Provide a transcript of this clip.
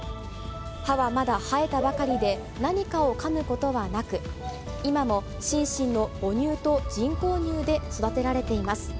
歯はまだ生えたばかりで、何かをかむことはなく、今もシンシンの母乳と人工乳で育てられています。